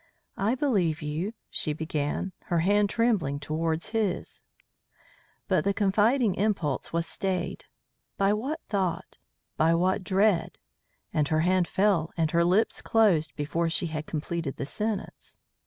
"I believe you " she began, her hand trembling towards his. But the confiding impulse was stayed by what thought? by what dread? and her hand fell and her lips closed before she had completed the sentence.